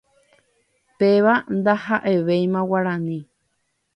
Péva ndahaʼevéima Guarani.